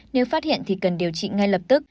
nếu phát hiện thì cần điều trị ngay lập tức